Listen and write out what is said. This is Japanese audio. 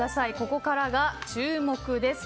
ここからが注目です。